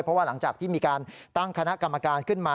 เพราะว่าหลังจากที่มีการตั้งคณะกรรมการขึ้นมา